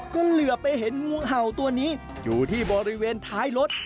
ก็เหลือไปเห็นงูเห่าตัวนี้อยู่ที่บริเวณท้ายรถ